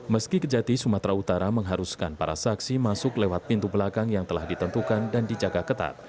meski kejati sumatera utara mengharuskan para saksi masuk lewat pintu belakang yang telah ditentukan dan dijaga ketat